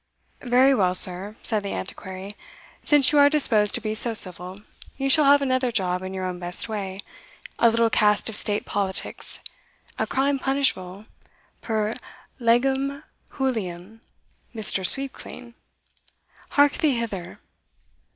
"Very well, sir," said the Antiquary, "since you are disposed to be so civil, you shall have another job in your own best way a little cast of state politics a crime punishable per Legem Juliam, Mr. Sweepclean Hark thee hither."